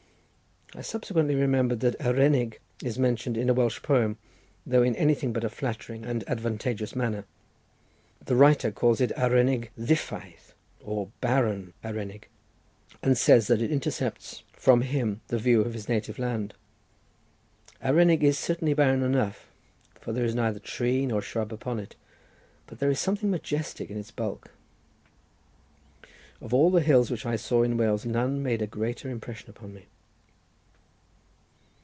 I subsequently remembered that Arenig is mentioned in a Welsh poem, though in anything but a flattering and advantageous manner. The writer calls it Arenig ddiffaith, or barren Arenig, and says that it intercepts from him the view of his native land. Arenig is certainly barren enough, for there is neither tree nor shrub upon it, but there is something majestic in its huge bulk. Of all the hills which I saw in Wales, none made a greater impression upon me.